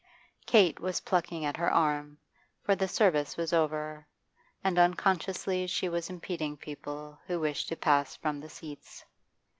Kate was plucking at her arm, for the service was over, and unconsciously she was impeding people who wished to pass from the seats.